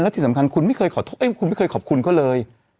และที่สำคัญคุณไม่เคยขอบคุณเขาเลย